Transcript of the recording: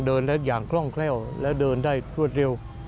เดินได้อย่างคล่องแคล่วแล้วเดินได้รวดเร็ว